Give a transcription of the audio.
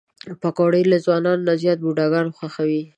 پکورې له ځوانانو نه زیات بوډاګان خوښوي